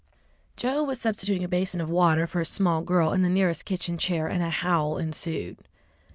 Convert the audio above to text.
Joe was substituting a basin of water for a small girl in the nearest kitchen chair, and a howl ensued.